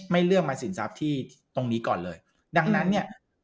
เลือกมาสินทรัพย์ที่ตรงนี้ก่อนเลยดังนั้นเนี่ย